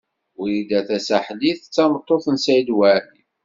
Wrida Tasaḥlit d tameṭṭut n Saɛid Waɛli.